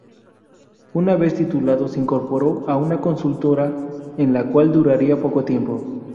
Una vez titulado se incorporó a una consultora en la cual duraría poco tiempo.